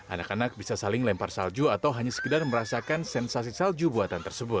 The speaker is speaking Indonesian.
anak anak bisa saling lempar salju atau hanya sekedar merasakan sensasi salju buatan tersebut